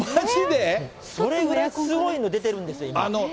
それぐらいすごいの出てるんですよ、今。